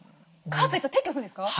カーペット撤去するんですか？